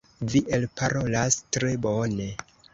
Vi elparolas tre bone.